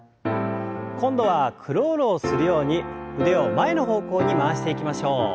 今度はクロールをするように腕を前の方向に回していきましょう。